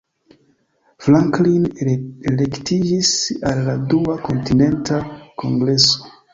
Franklin elektiĝis al la Dua Kontinenta Kongreso.